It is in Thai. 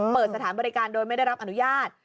เปิดสถานบริการโดยไม่ได้รับอนุญาต